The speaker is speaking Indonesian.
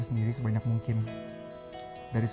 sungguh lebih ganstart